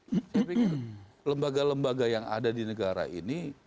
saya pikir lembaga lembaga yang ada di negara ini